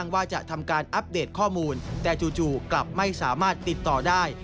ว่าจะทำการอัปเดตข้อมูลแต่จู่กลับไม่สามารถติดต่อได้